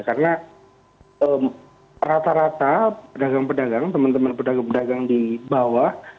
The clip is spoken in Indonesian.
karena rata rata pedagang pedagang teman teman pedagang pedagang di bawah